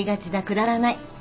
くだらない。